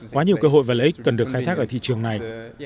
quá nhiều cơ hội và lợi ích cần được khai thác ở thị trường này